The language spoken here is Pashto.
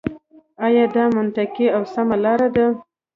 آيـا دا مـنطـقـي او سـمـه لاره ده.